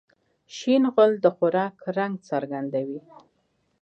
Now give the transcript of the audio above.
شین غول د خوراک رنګ څرګندوي.